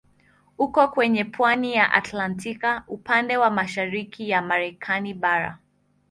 Uko kwenye pwani ya Atlantiki upande wa mashariki ya Marekani bara.